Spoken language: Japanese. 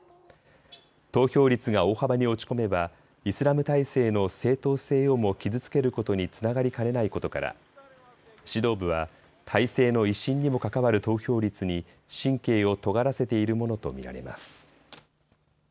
投票率が大幅に落ち込めばイスラム体制の正統性をも傷つけることにつながりかねないことから指導部は体制の威信にも関わる投票率に神経をとがらせているものと見られます。